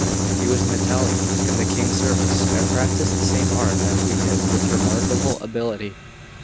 He was an Italian in the King's service, and practised the same art as we did with remarkable ability.